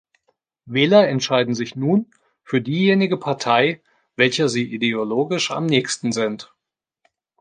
Wähler entscheiden sich nun, für diejenige Partei, welcher sie ideologisch am nächsten sind.